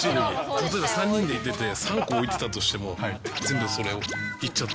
例えば３人で行ってて、３個置いてたとしても、全部それをいっちゃった。